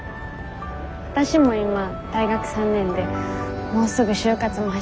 わたしも今大学３年でもうすぐ就活も始まって。